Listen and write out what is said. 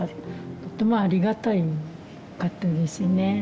とってもありがたかったですね。